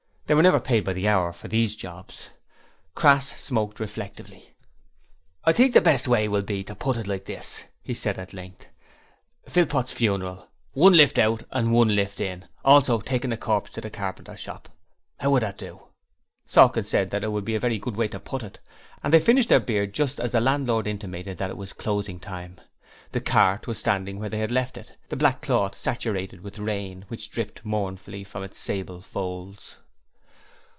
They were never paid by the hour for these jobs. Crass smoked reflectively. 'I think the best way will be to put it like this,' he said at length. '"Philpot's funeral. One lift out and one lift in. Also takin' corpse to carpenter's shop." 'Ow would that do?' Sawkins said that would be a very good way to put it, and they finished their beer just as the landlord intimated that it was closing time. The cart was standing where they left it, the black cloth saturated with the rain, which dripped mournfully from its sable folds.